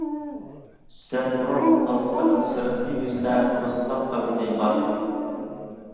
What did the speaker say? زەمبۇرۇغ قالپىقىنىڭ سىرتقى يۈزىدە پوستلاق قەۋىتى بار.